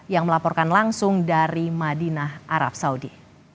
yang melaporkan langsung dari madinah arab saudi